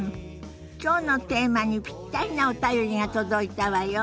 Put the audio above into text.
きょうのテーマにぴったりなお便りが届いたわよ。